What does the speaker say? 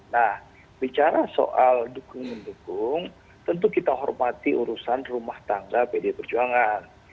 nah bicara soal dukung mendukung tentu kita hormati urusan rumah tangga pd perjuangan